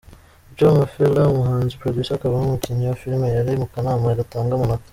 Joe Mafela umuhanzi, Producer akaba n'umukinnyi wa filime yari mu kanama gatanga amanota .